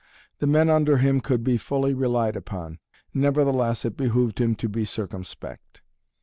The men under him could be fully relied upon. Nevertheless, it behooved him to be circumspect.